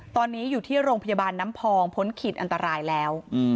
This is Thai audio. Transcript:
ตอนนี้อยู่ที่โรงพยาบาลน้ำพองพ้นขีดอันตรายแล้ว